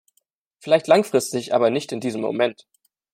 Vielleicht langfristig, aber nicht in diesem Moment.